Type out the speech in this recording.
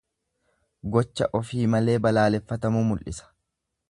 Gocha ofii malee balaaleffatamuu mul'sa.